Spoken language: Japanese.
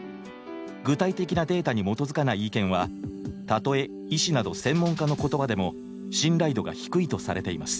具体的なデータに基づかない意見はたとえ医師など専門家の言葉でも信頼度が低いとされています。